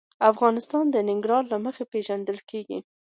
افغانستان د ننګرهار له مخې پېژندل کېږي.